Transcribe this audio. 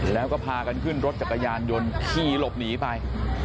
แล้วก็พากันขึ้นรถจักรยานยนต์ขี่หลบหนีไป